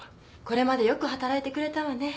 これまでよく働いてくれたわね